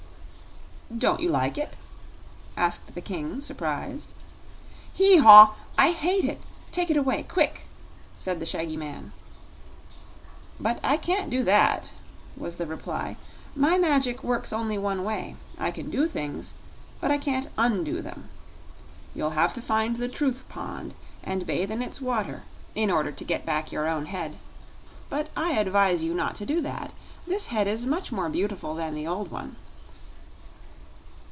"Don't you like it?" asked the King, surprised. "Hee haw! I hate it! Take it away, quick!" said the shaggy man. "But I can't do that," was the reply. "My magic works only one way. I can DO things, but I can't UNdo them. You'll have to find the Truth Pond, and bathe in its water, in order to get back your own head. But I advise you not to do that. This head is much more beautiful than the old one."